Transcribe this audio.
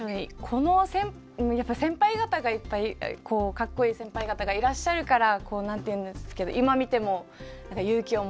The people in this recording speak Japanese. このやっぱ先輩方がいっぱいかっこいい先輩方がいらっしゃるからこう何て言う今見ても勇気をもらえるというか。